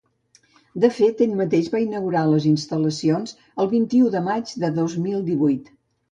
De fet, ell mateix va inaugurar les instal·lacions el vint-i-u de maig del dos mil divuit.